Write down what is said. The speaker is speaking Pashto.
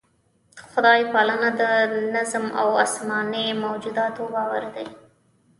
خدای پالنه د نظم او اسماني موجوداتو باور دی.